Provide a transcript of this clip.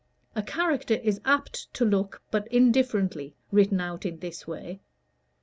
A character is apt to look but indifferently, written out in this way.